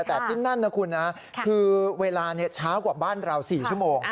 แต่ที่นั่นนะคุณนะคือเวลาเช้ากว่าบ้านเรา๔ชั่วโมง